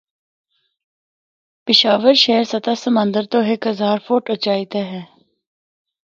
پشاور شہر سطح سمندر تو ہک ہزار فٹ اُچائی تے ہے۔